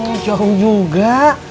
oh jauh juga